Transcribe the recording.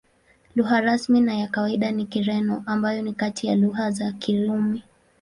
Lugha rasmi na ya kawaida ni Kireno, ambayo ni kati ya lugha za Kirumi.